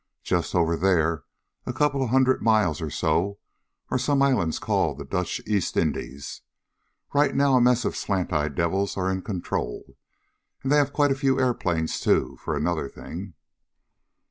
Just over there a couple of hundred miles or so are some islands called the Dutch East Indies. Right now a mess of slant eyed devils are in control. And they have quite a few airplanes, too, for another thing."